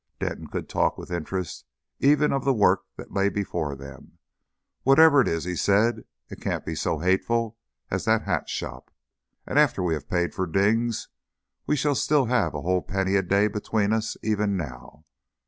Denton could talk with interest even of the work that lay before them. "Whatever it is," he said, "it can't be so hateful as that hat shop. And after we have paid for Dings, we shall still have a whole penny a day between us even now.